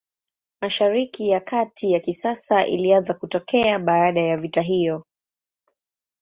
Mashariki ya Kati ya kisasa ilianza kutokea baada ya vita hiyo.